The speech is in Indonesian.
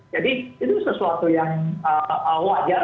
jadi itu sesuatu yang wajar